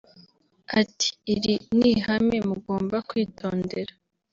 Ati “ Iri ni hame mugomba kwitondera